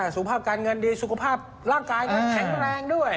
สุขภาพการเงินดีสุขภาพร่างกายแข็งแรงด้วย